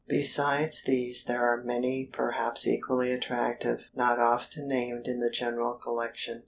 Beside these there are many perhaps equally attractive, not often named in the general collection.